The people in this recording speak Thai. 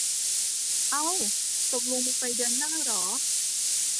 เอ้า ตกลงมึงไปเดือนหน้าเหรอ